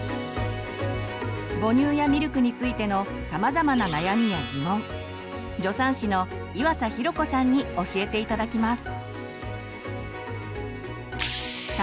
母乳やミルクについてのさまざまな悩みやギモン助産師の岩佐寛子さんに教えて頂きます。